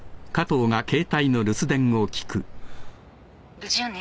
無事よね？